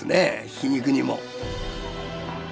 皮肉にも。